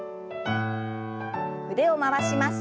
腕を回します。